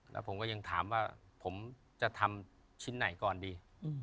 แล้วผมก็ยังถามว่าผมจะทำชิ้นไหนก่อนดี